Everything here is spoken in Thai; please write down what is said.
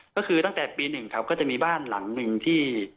ก็คือตั้งแต่ปี๑ครับก็จะมีบ้านหลังหนึ่งที่